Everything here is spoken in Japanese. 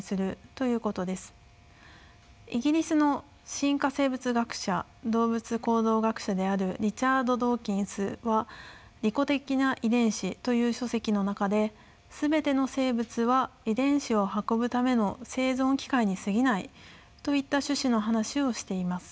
イギリスの進化生物学者動物行動学者であるリチャード・ドーキンスは「利己的な遺伝子」という書籍の中で「全ての生物は遺伝子を運ぶための生存機械にすぎない」といった趣旨の話をしています。